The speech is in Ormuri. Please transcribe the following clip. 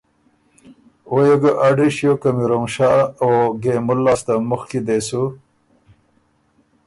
او يې ګۀ اډِر ݭیوک که میروم شاه او ګېمُل لاسته مخکی دې سُو